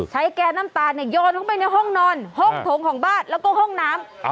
ใช้แก๊สน้ำตาโยนออกไปในห้องนอนห้องถงของบ้านและห้องน้ำ